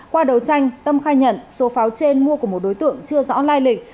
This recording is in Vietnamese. qua đấu tranh tâm khai nhận số pháo trên mua của một đối tượng chưa rõ lai lịch